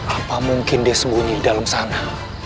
apa mungkin dia sembunyi di dalam sana